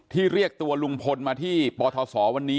เรียกตัวลุงพลมาที่ปทศวันนี้